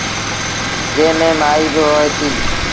جݩهݩ ميݩ مائيٚݩ با هوئيٚتيٚݩ۔